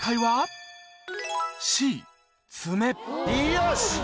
よし！